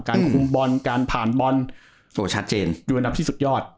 การคุมบอลการผ่านบอลโดยระดับที่สุดยอด